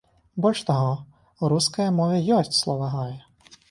Больш таго, у рускай мове ёсць слова гай.